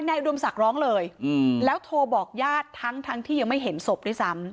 อุดมศักดิ์ร้องเลยแล้วโทรบอกญาติทั้งที่ยังไม่เห็นศพด้วยซ้ำ